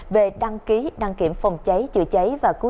về đăng ký đăng kiểm phòng cháy chữa cháy và bệnh viện